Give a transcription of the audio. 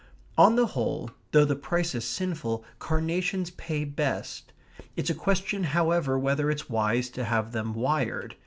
On the whole, though the price is sinful, carnations pay best; it's a question, however, whether it's wise to have them wired.